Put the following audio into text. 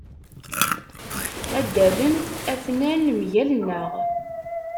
Adalen aten-a mgal-nneɣ.